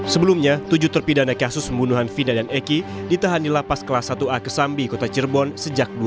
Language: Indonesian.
sebelumnya tujuh terpidana kasus pembunuhan vina dan eki ditahan di lapas kelas satu a kesambi kota cirebon sejak dua ribu sepuluh